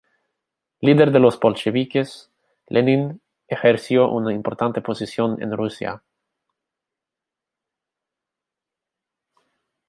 Líder de los bolcheviques, Lenin ejerció una importante posición en Rusia.